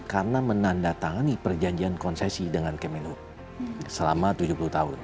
karena menandatangani perjanjian konsesi dengan kemenhub selama tujuh puluh tahun